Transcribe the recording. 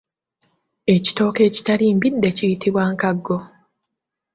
Ekitooke ekitali mbidde kiyitibwa Nkago.